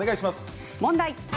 問題。